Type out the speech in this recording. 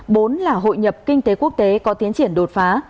bốn là hội nhập kinh tế quốc tế có tiến triển đột phá